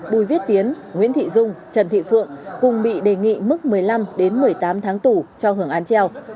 bùi viết tiến nguyễn thị dung trần thị phượng cùng bị đề nghị mức một mươi năm một mươi tám tháng tù cho hưởng án treo